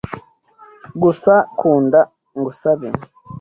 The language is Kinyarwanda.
gusa kunda ngusabe